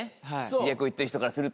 自虐を言ってる人からすると。